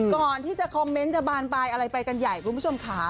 ก่อนที่จะคอมเมนต์จะบานปลายอะไรไปกันใหญ่คุณผู้ชมค่ะ